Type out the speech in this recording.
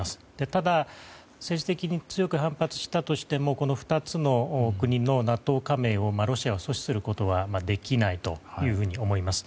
ただ、政治的に強く反発したとしてもこの２つの国のＮＡＴＯ加盟をロシアは阻止することはできないと思います。